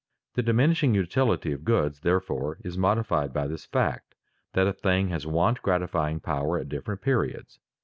The diminishing utility of goods, therefore, is modified by this fact that a thing has want gratifying power at different periods.